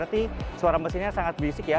nanti suara mesinnya sangat berisik ya